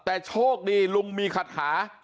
แต่โชคดีลุงมีคาถา